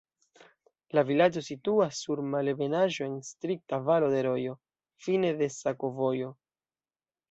La vilaĝo situas sur malebenaĵo en strikta valo de rojo, fine de sakovojo.